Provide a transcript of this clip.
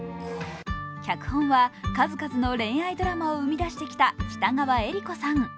脚本は、数々の恋愛ドラマを生み出してきた北川悦吏子さん。